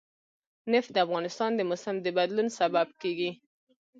نفت د افغانستان د موسم د بدلون سبب کېږي.